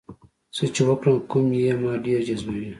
څه چې وکړم کوم یې ما ډېر جذبوي؟